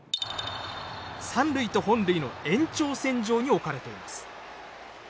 三塁と本塁の延長線上に置かれています。